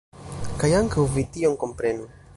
Kaj ankaŭ vi tion komprenu.